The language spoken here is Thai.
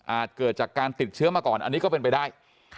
เกิดจากการติดเชื้อมาก่อนอันนี้ก็เป็นไปได้